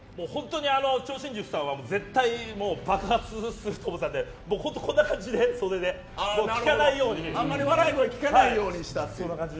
超新塾さんは絶対爆発すると思ってたのでそでで、こんな感じで聞かないように笑い声聞かないようにした。